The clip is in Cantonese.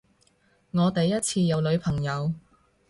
我第一次有女朋友